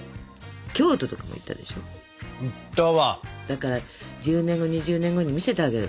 だから１０年後２０年後に見せてあげる。